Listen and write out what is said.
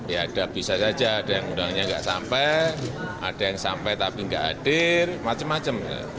ya ada bisa saja ada yang undangnya nggak sampai ada yang sampai tapi nggak hadir macam macam